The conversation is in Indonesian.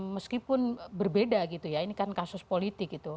meskipun berbeda gitu ya ini kan kasus politik gitu